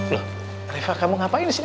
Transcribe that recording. loh reva kamu ngapain di sini